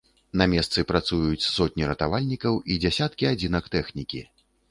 На месцы працуюць сотні ратавальнікаў і дзясяткі адзінак тэхнікі.